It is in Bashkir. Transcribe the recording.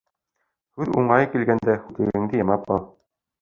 Һүҙ уңайы килгәндә, һүтегеңде ямап ҡал.